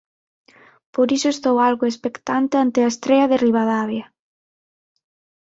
Por iso estou algo expectante ante a estrea de Ribadavia.